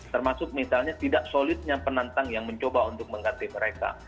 termasuk misalnya tidak solidnya penantang yang mencoba untuk mengganti mereka